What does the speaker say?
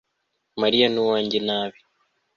mariya ni uwanjye nabi